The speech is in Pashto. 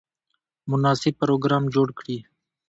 مناسب پروګرام جوړ کړي.